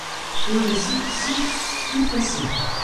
Ul-nsen qessiḥ am tassemt.